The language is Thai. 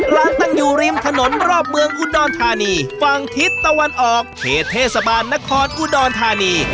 ตั้งอยู่ริมถนนรอบเมืองอุดรธานีฝั่งทิศตะวันออกเขตเทศบาลนครอุดรธานี